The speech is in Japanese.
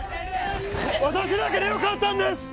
私だけでよかったんです！